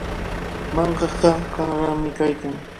Mankaqa qanrami kaykan.